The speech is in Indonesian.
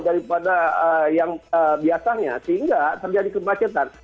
daripada yang biasanya sehingga terjadi kemacetan